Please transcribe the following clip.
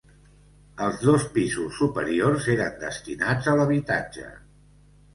Els dos pisos superiors eren destinats a l'habitatge.